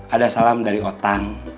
ada salam dari otang